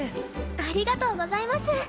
ありがとうございます。